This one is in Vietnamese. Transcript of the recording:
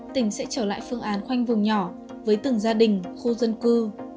tỉnh sẽ trở lại phương án khoanh vùng nhỏ với từng gia đình khu dân cư